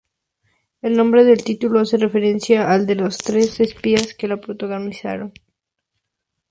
El nombre del título hace referencia al de los tres espías que lo protagonizan.